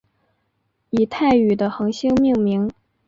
以泰语的恒星命名。